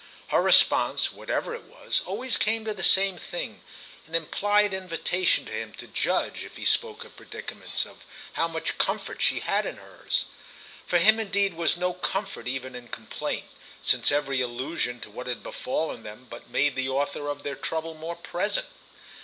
Her response, whatever it was, always came to the same thing—an implied invitation to him to judge, if he spoke of predicaments, of how much comfort she had in hers. For him indeed was no comfort even in complaint, since every allusion to what had befallen them but made the author of their trouble more present.